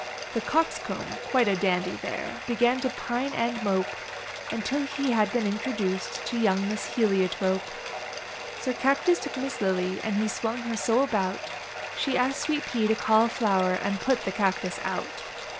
The Coxcomb, quite a dandy there, Began to pine and mope, Until he had been introduced To young Miss Heliotrope. Sir Cactus took Miss Lily, And he swung her so about She asked Sweet Pea to Cauliflower And put the Cactus out.